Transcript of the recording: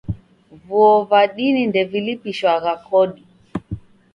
Vuo va dini ndevilipishwagha kodi.